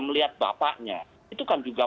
melihat bapaknya itu kan juga